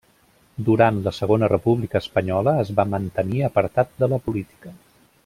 Durant la Segona República Espanyola es va mantenir apartat de la política.